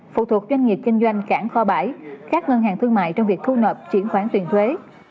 phụ thuộc doanh nghiệp kinh doanh khẳng kho bãi các ngân hàng thương mại trong việc thu nợp triển khoản tuyển thuế